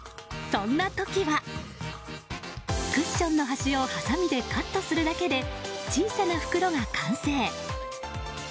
そんな時は、クッションの端をはさみでカットするだけで小さな袋が完成。